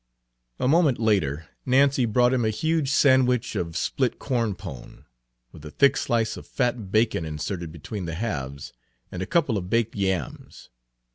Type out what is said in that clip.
A moment later Nancy brought him a huge sandwich of split corn pone, with a thick slice of fat bacon inserted between the halves, and a couple of baked yams.